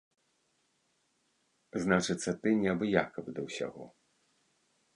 Значыцца, ты неабыякавы да ўсяго.